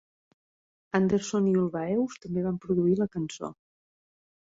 Andersson i Ulvaeus també van produir la cançó.